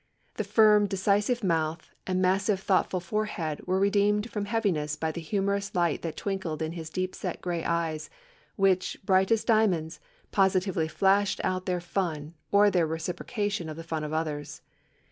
The firm decisive mouth and massive thoughtful forehead were redeemed from heaviness by the humorous light that twinkled in his deep set gray eyes, which, bright as diamonds, positively flashed out their fun, or their reciprocation of the fun of others.